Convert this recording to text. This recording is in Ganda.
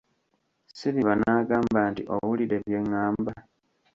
Silver n'agamba nti Owulidde bye ngamba?